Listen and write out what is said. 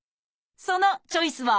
そのチョイスは？